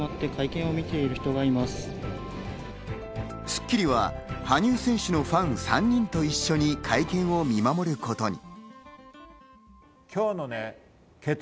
『スッキリ』は羽生選手のファン３人と一緒に会見を見守ることに。